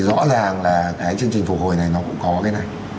rõ ràng là cái chương trình phục hồi này nó cũng có cái này